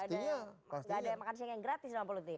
enggak ada makan siang yang gratis dalam politik